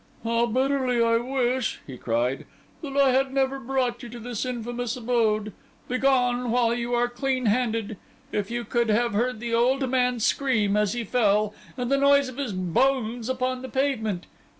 "How bitterly I wish," he cried, "that I had never brought you to this infamous abode! Begone, while you are clean handed. If you could have heard the old man scream as he fell, and the noise of his bones upon the pavement!